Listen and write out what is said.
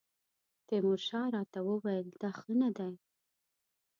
تیمورشاه راته وویل دا ښه نه دی.